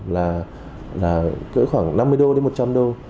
là cỡ khoảng năm mươi đô đến một trăm linh đô